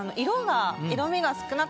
色が。